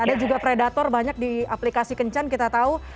ada juga predator banyak di aplikasi kencan kita tahu